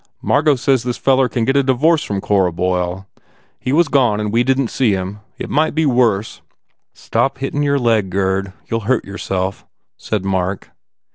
Margot says this feller can get a divorce from Cora Boyle He was gone and we didn t see him. It might be worse." "Stop hittin your leg, Gurd. You ll hurt your self," said Mark.